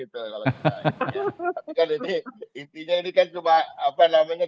tapi kan ini intinya ini kan cuma apa namanya